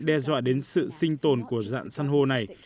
đe dọa đến sự sinh tồn của dạng san hô này